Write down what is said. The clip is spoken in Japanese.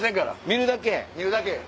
見るだけ。